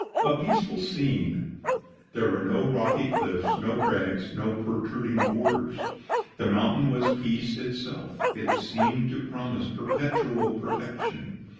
A PEACEFUL SCENE There were no rocky cliffs, no crags, no protruding boulders. The mountain was peace itself. It seemed to promise perpetual protection.